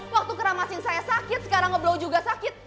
waktu keramasin saya sakit sekarang ngeblow juga sakit